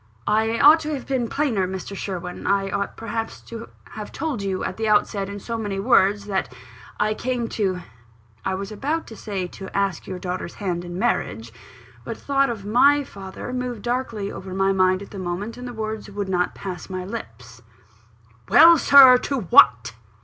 "I ought to have been plainer, Mr. Sherwin; I ought perhaps to have told you at the outset, in so many words, that I came to " (I was about to say, "to ask your daughter's hand in marriage;" but a thought of my father moved darkly over my mind at that moment, and the words would not pass my lips). "Well, Sir! to what?"